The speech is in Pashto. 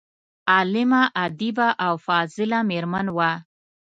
عالمه، ادیبه او فاضله میرمن وه.